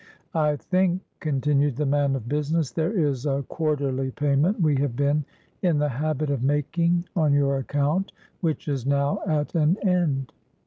"I think," continued the man of business, "there is a quarterly payment we have been in the habit of making on your account, which is now at an end."